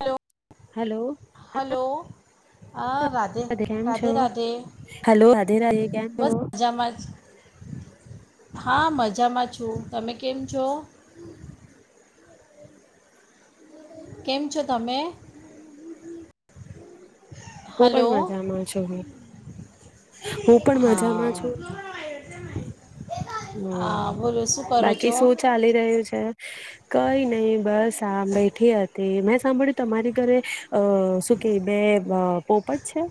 Hello hello હ. Hello હા. રાધે કેમ છો? રાધે રાધે હલો રાધે રાધે, કેમ છો? બસ મજામાં જ હા મજામાં છું તમે કેમ છો? કેમ છો તમે? હું હલો પણ મજામાં છું, હું પણ હા મજામાં છું, હા હમ બોલો શું કરો બાકી છો શું ચાલી રહ્યું છે? કઈ નહી બસ. બેઠી હતી મે. સાંભળી તમારી ઘરે અ શું કે બે. પોપટ છે?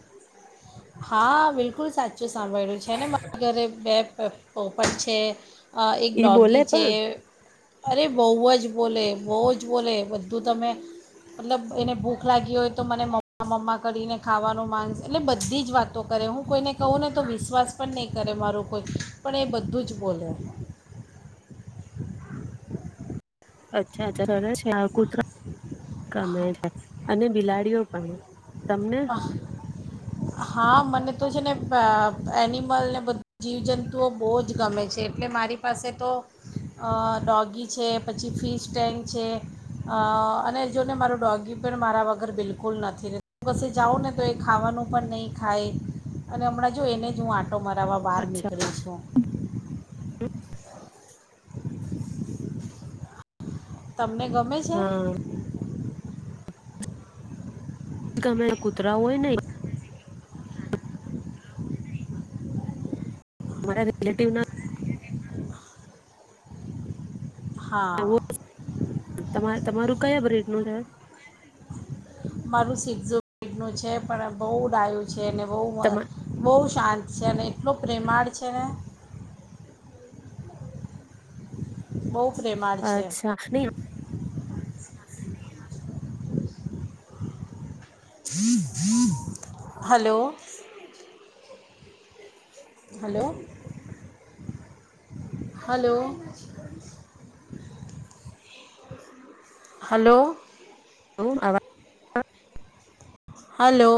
[unintelligible] સાંભળ્યું છે ને મારા ઘરે બે. પોપટ છે. આ એક ઈ બોલે ડોગી છે, પણ અરે બહુ જ બોલે બહુ જ બોલે. બધું તમે, મતલબ એને ભૂખ લાગી હોય તો મને મમ્મા મમ્મા કરીને ખાવાનું માંગશે એટલે બધ. બધી જ વાતો કરે હું કોઈને કહું ને તો વિશ્વાસ પણ નહીં કરે મારું કોઈ, પણ એ બધું જ બોલે. અચ્છા અચ્છા સરશ કુતરા. ગમે છે અને. બિલાડીઓ પણ. તમને? હા, મને તો છે ને પ એનિમલ ને બધુ જીવજંતુઓ બોવ જ ગમે છે. એટલે મારી પાસે તો અ ડોગી છે, પછી ફિશ ટેંગ છે અ અને જોને મારો ડોગી પણ મારા વગર બિલકુલ નથી રે કસે જાઉં ને તો એ ખાવાનું પણ નહીં ખાય, અને હમણાં જો એને જ હું આ ટો મરાવા બાર અચ્છા નીકળી છું. તમને ગમે છે? હા ગમે કુતરા હોય નય. તમારા રિલેટિવના હા તમા તમારું કયા બ્રીડ નું છે? મારું સિકઝૂ ડનું છે, પણ બોવ ડાયુ છે ને બોવ મ તમા બોવ શાંત છે અને એટલો પ્રેમાળ છે ને. બોવ પ્રેમાળ છે. અચ્છા નહી હલો. Hello, hello, hello. ઓ અવા હલો.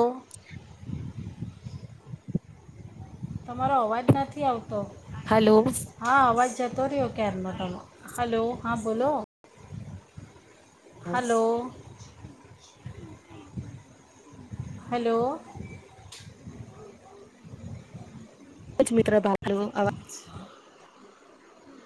તમારો અવાજ નથી આવ તો, આવા હલો હા અવાજ જતો રહ્યો ક્યાર નો [unintelligible] હલો હા બોલો. હલો. હલો જ મિત્ર બહારનો [inaudible]